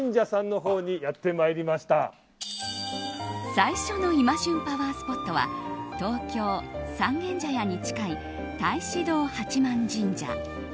最初の今旬パワースポットは東京・三軒茶屋に近い太子堂八幡神社。